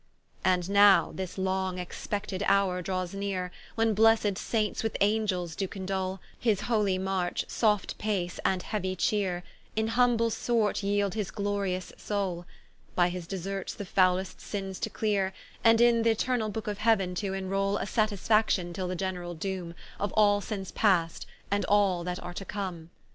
¶ And now this long expected houre drawes neere, When blessed Saints with Angels doe condole; His holy march, soft pace, and heauy cheere, In humble sort yeeld his glorious soule, By his deserts the fowlest sinnes to cleare; And in th'eternall booke of heauen to enroule A satisfaction till the generall doome, Of all sinnes past, and all that are to come.